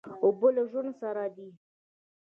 اوبه له ژوند سره دي.